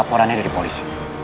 laporannya dari polisi